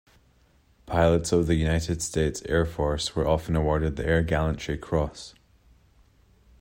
Pilots of the United States Air Force were often awarded the Air Gallantry Cross.